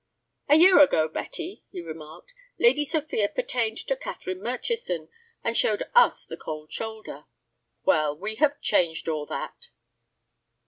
"A year ago, Betty," he remarked, "Lady Sophia pertained to Catherine Murchison, and showed us the cold shoulder. Well, we have changed all that."